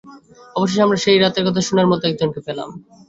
অবশেষে, আমরা সেই রাতে কথা শোনার মত একজনকে পেলাম।